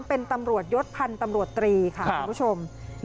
เป็นตำรวจยศพันธ์ตำรวจตรีค่ะคุณผู้ชม